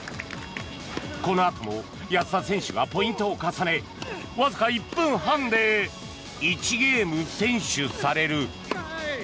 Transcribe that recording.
このあとも安田選手がポイントを重ねわずか１分半で１ゲーム先取される。